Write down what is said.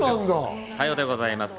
さようでございます。